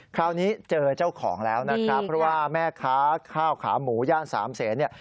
คราวนี้เจอเจ้าของแล้วนะครับเพราะว่าแม่ค้าข้าวขาหมูย่านสามเศษเนี่ย